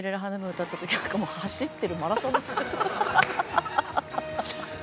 歌った時は走ってるマラソンみたい。